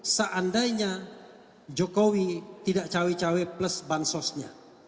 seandainya jokowi tidak cawe cawe plus bansosnya